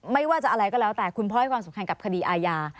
ไม่ว่าจะอะไรก็แล้วแต่คุณพ่อให้ความสำคัญกับคดีอาญา